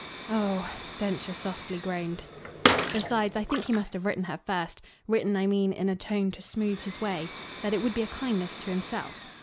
"Oh!" Densher softly groaned. "Besides, I think he must have written her first written I mean in a tone to smooth his way. That it would be a kindness to himself.